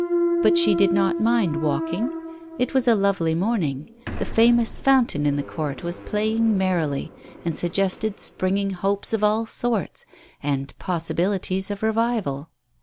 But she did not mind walking. It was a lovely morning. The famous fountain in the court was play ing merrily, and suggested springing hopes of all sorts — and possibilities of revival.